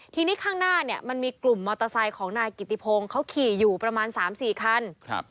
ทีนี้ข้างหน้าเนี่ยมันมีกลุ่มมอเตอร์ไซค์ของนายกิติพงศ์เขาขี่อยู่ประมาณ๓๔คัน